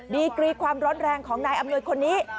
ดีกรีความร้อนแรงของนายอำนวยคนนี้